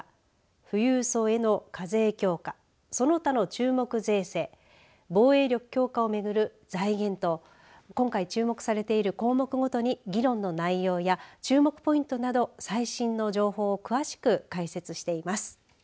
富裕層への課税強化その他の注目税制防衛力強化をめぐる財源と今回、注目されている項目ごとに議論の内容や注目ポイントなど最新の情報を詳しく解説しています。